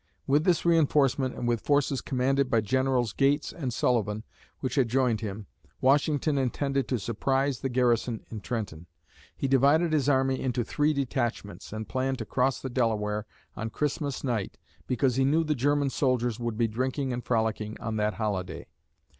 With this reënforcement and with forces commanded by Generals Gates and Sullivan, which had joined him, Washington intended to surprise the garrison in Trenton. He divided his army into three detachments and planned to cross the Delaware on Christmas night, because he knew the German soldiers would be drinking and frolicking on that holiday.